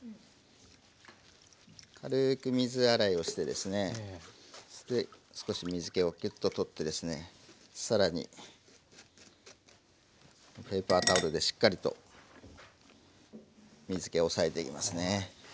軽く水洗いをしてですね少し水けをキュッと取ってですね更にぺーパータオルでしっかりと水けを抑えていきますね。